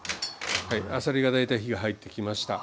はいあさりが大体火が入ってきました。